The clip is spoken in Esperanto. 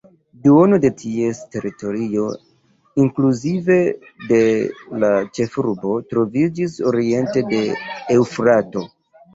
Duono de ties teritorio, inkluzive de la ĉefurbo, troviĝis oriente de Eŭfrato.